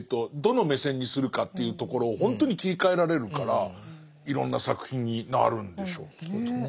どの目線にするかというところをほんとに切り替えられるからいろんな作品になるんでしょうきっと。